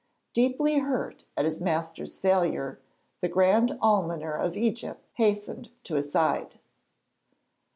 Deeply hurt at his master's failure, the Grand Almoner of Egypt hastened to his side.